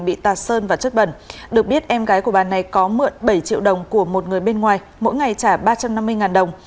bị tạt sơn và chất bẩn được biết em gái của bà này có mượn bảy triệu đồng của một người bên ngoài mỗi ngày trả ba trăm năm mươi đồng